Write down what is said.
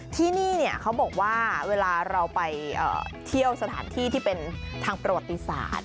ที่นี่เขาบอกว่าเวลาเราไปเที่ยวสถานที่ที่เป็นทางประวัติศาสตร์